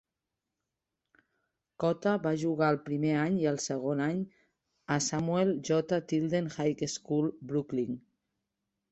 Cota va jugar el primer any i el segon any a Samuel J. Tilden High School, Brooklyn.